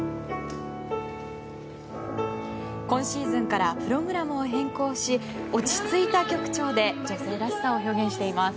今シーズンからプログラムを変更し落ち着いた曲調で女性らしさを表現しています。